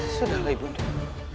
sudahlah ibu undah